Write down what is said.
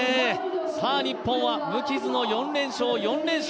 日本は無傷の４連勝、４連勝。